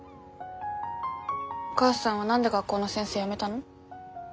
お母さんは何で学校の先生辞めたの？